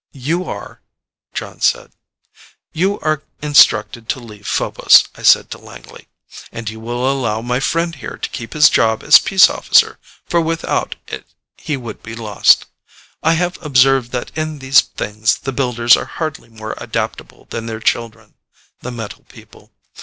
"You are." Jon said. "You are instructed to leave Phobos," I said to Langley, "and you will allow my friend here to keep his job as peace officer, for without it he would be lost. I have observed that in these things the Builders are hardly more adaptable than their children, the metal people.